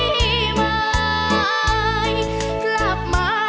แต่วจากกลับมาท่าน้าที่รักอย่าช้านับสิสามเชย